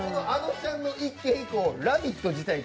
あのちゃんの一件以降、「ラヴィット！」